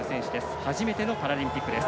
初めてのパラリンピックです。